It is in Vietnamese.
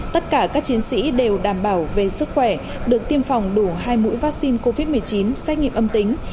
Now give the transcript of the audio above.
tất cả các chiến sĩ đều đảm bảo về sức khỏe được tiêm phòng đủ hai mũi vaccine covid một mươi chín xét nghiệm âm tính